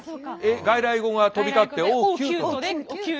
外来語が飛び交ってオー！